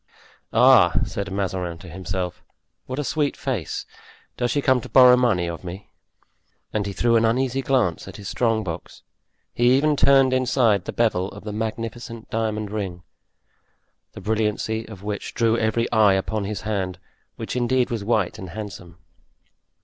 "Ah!" said Mazarin to himself, "what a sweet face; does she come to borrow money of me?" And he threw an uneasy glance at his strong box; he even turned inside the bevel of the magnificent diamond ring, the brilliancy of which drew every eye upon his hand, which indeed was white and handsome.